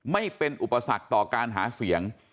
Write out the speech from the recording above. ไม่เป็นอุปสรรคต่อการหาเสียง